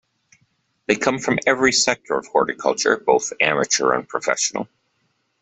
They come from every sector of horticulture, both amateur and professional.